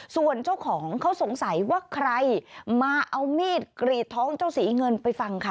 ส่วนเจ้าของเขาสงสัยว่าใครมาเอามีดกรีดท้องเจ้าสีเงินไปฟังค่ะ